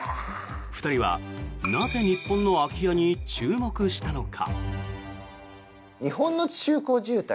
２人は、なぜ日本の空き家に注目したのか。